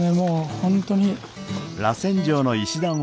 本当に。